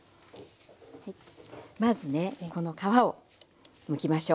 まずねこの皮をむきましょう。